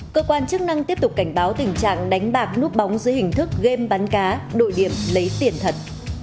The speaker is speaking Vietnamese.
cơ quan chức năng tiếp tục cảnh báo tình trạng đánh bạc núp bóng dưới hình thức game bắn cá đội điểm lấy tiền thật